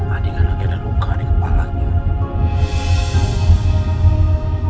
adi kan lagi ada luka di kepala dia